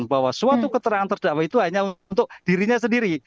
bahwa suatu keterangan terdakwa itu hanya untuk dirinya sendiri